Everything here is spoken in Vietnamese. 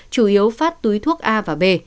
chủ yếu phát túi thuốc a và b